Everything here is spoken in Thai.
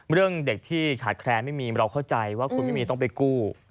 เรื่องเด็กที่ขาดแคลนไม่มีเราเข้าใจว่าคุณไม่มีต้องไปกู้